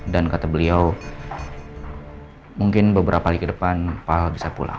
dan kata beliau mungkin beberapa kali ke depan pak al bisa pulang